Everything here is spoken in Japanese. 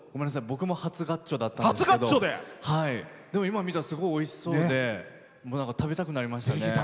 僕も初ガッチョだったんですけど今、見たらおいしそうで食べたくなりましたよね。